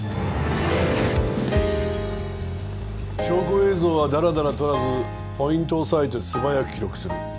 証拠映像はだらだら撮らずポイントを押さえて素早く記録する。